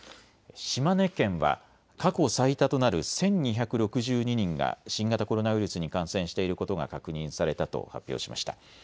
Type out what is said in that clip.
島根県は過去最多となる１２６２人が新型コロナウイルスに感染していることが確認されたと発表しました。